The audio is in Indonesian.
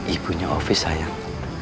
ibunya ofi sayang